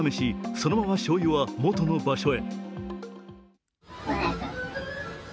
そのまま、しょうゆは元の場所へ。